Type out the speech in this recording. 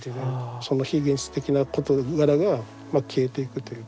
その現実的な事柄がまあ消えていくというか。